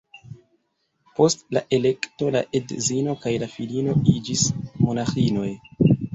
Post la elekto la edzino kaj la filino iĝis monaĥinoj.